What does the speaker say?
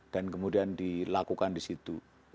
dan kemudian dilakukan disitu